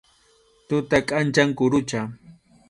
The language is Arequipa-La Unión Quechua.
Tuta kʼanchaq kurucha.